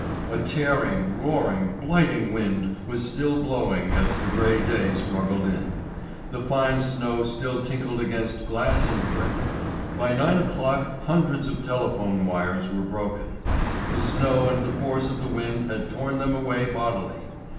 A tearing, roaring, blighting wind was still blowing as the grey day struggled in. The fine snow still tinkled against glass and brick. By nine o'clock hundreds of telephone wires were broken. The snow and the force of the wind had torn them away bodily.